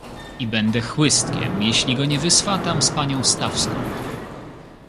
"I będę chłystkiem, jeżeli go nie wyswatam z panią Stawską."